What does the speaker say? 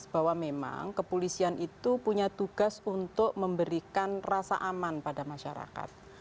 bahwa memang kepolisian itu punya tugas untuk memberikan rasa aman pada masyarakat